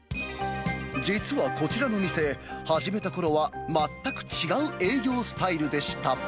実はこちらの店、始めたころは全く違う営業スタイルでした。